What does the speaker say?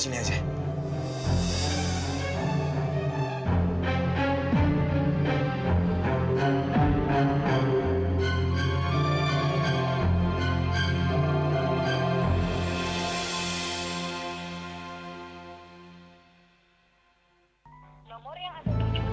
dia anteng lah rewel